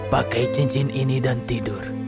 pakai cincin ini dan tidur